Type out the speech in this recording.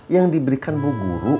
yang diberikan bu guru